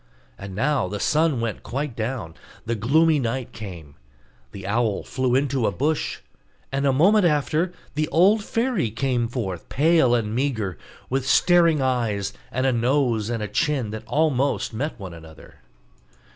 And now the sun went quite down; the gloomy night came; the owl flew into a bush; and a moment after the old fairy came forth pale and meagre, with staring eyes, and a nose and chin that almost met one another.